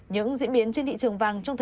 những diễn biến trên thị trường vàng